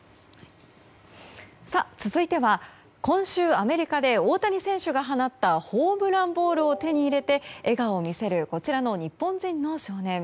続いては今週、アメリカで大谷選手が放ったホームランボールを手に入れて笑顔を見せるこちらの日本人の少年。